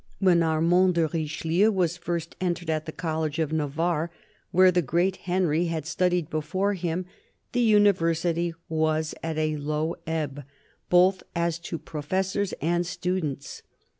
When Armand de Richelieu was first entered at the College of Navarre, where " the great Henry " had studied before him, the University was at a low ebb, both as to professors and students.